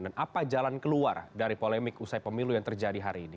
dan apa jalan keluar dari polemik usai pemilu yang terjadi hari ini